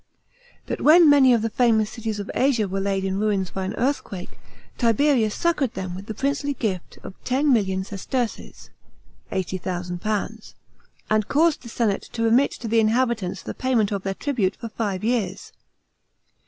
But when many of the famous cities of Asia were laid in ruins by an earthquake, Tiberius succoured them with the princely gift of 10,000,000 sesterces (£80,000) and caused the senate to remit to the inhabitants the payment of their tribute for five years.